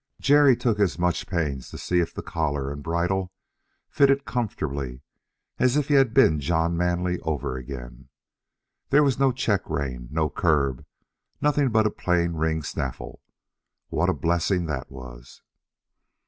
Jerry took as much pains to see if the collar and bridle fitted comfortably as if he had been John Manly over again. There was no check rein, no curb, nothing but a plain ring snaffle. What a blessing that was!